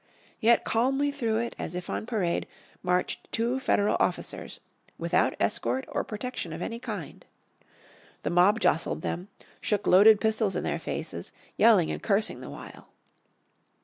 Yet calmly through it, as if on parade, marched two Federal officers, without escort of protection of any kind. The mob jostled them, shook loaded pistols in their faces, yelling and cursing the while.